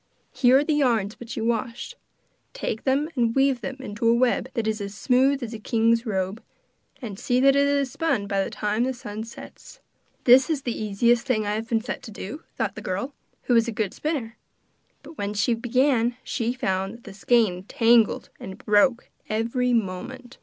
Here are the yarns which you washed. Take them and weave them into a web that is as smooth as a king's robe, and see that it is spun by the time that the sun sets.' 'This is the easiest thing I have been set to do,' thought the girl, who was a good spinner. But when she began she found that the skein tangled and broke every moment.